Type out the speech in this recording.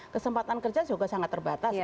kesempatan kerja juga sangat terbatas